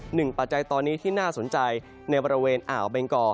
ปัจจัยตอนนี้ที่น่าสนใจในบริเวณอ่าวเบงกอ